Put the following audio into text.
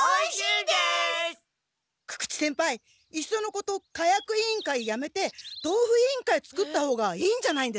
いっそのこと火薬委員会やめて豆腐委員会作ったほうがいいんじゃないですか？